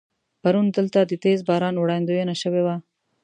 پرون دلته د تیز باران وړاندوينه شوې وه.